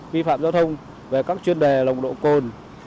vi phạm giao thông về các chuyên đề nồng độ cồn